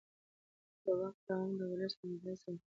د واک دوام د ولس له رضایت سره تړاو لري